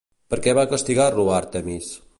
Per què va castigar-lo Àrtemis?